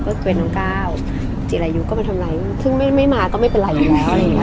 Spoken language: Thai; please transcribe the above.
ก็เป็นน้องก้าวจิลายุกก็มาทำนายยุคซึ่งไม่ไม่มาก็ไม่เป็นไรอยู่แล้ว